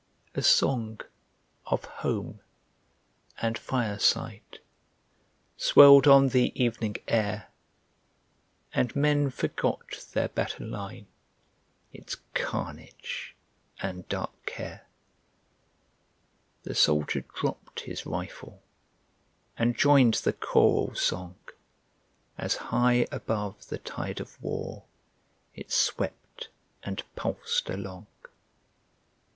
A song of home and fireside Swelled on the evening air, And men forgot their battle line, Its carnage and dark care ; The soldier dropp'd his rifle And joined the choral song, As high above the tide of war It swept and pulsed along.